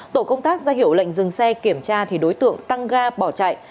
tổ công tác ra hiệu lệnh dừng xe kiểm tra thì đối tượng tăng ga bỏ chạy